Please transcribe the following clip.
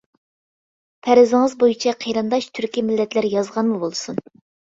پەرىزىڭىز بويىچە قېرىنداش تۈركىي مىللەتلەر يازغانمۇ بولسۇن.